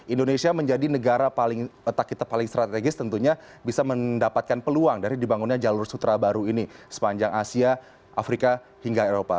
indonesia menjadi negara paling letak kita paling strategis tentunya bisa mendapatkan peluang dari dibangunnya jalur sutra baru ini sepanjang asia afrika hingga eropa